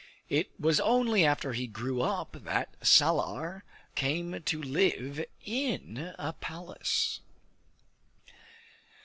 It was only after he grew up that Salar came to live in a palace.